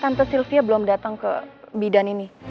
tante sylvia belum datang ke bidan ini